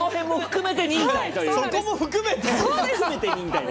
そこも含めて！